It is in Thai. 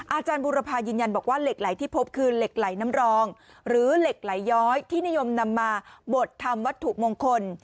อาจารย์บุรพายืนยันบอกว่าเหล็กไหลที่พบคือเหล็กไหลน้ำรองหรือเหล็กไหลย้อยที่นิยมนำมาบดทำวัตถุมงคล